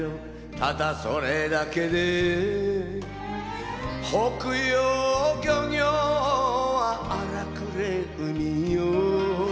ただそれだけで北洋漁業は荒くれ海よ